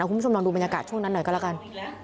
คุณผู้ชมลองดูบรรยากาศช่วงนั้นหน่อยก็แล้วกัน